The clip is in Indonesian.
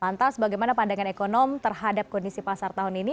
lantas bagaimana pandangan ekonom terhadap kondisi pasar tahun ini